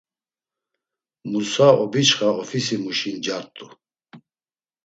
Musa obişxa ofisimuşi ncart̆u.